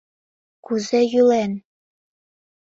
Кузе йӱлен?!